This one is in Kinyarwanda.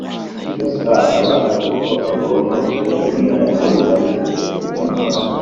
gusa akaba azi ko agomba gukoresha imigani ya kinyarwanda